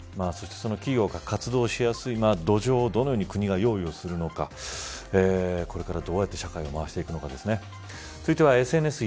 そして、企業が活動しやすい土壌をどのように国が用意するのかこれからどうやって社会を回していくのかということですね。